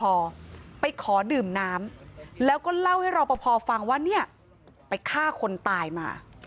พอไปขอดื่มน้ำแล้วก็เล่าให้รอปภฟังว่าเนี่ยไปฆ่าคนตายมา